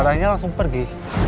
orangnya langsung pergi